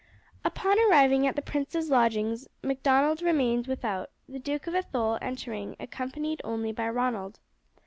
Upon arriving at the prince's lodgings Macdonald remained without, the Duke of Athole entering, accompanied only by Ronald.